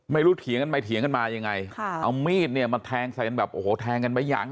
เถียงกันไปเถียงกันมายังไงค่ะเอามีดเนี่ยมาแทงใส่กันแบบโอ้โหแทงกันไม่ยั้ง